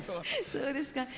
そうですか。